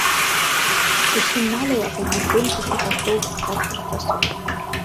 Зусім мала яго на здымках і паштоўках царскіх часоў.